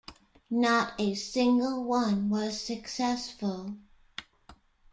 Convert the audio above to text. Not a single one was successful.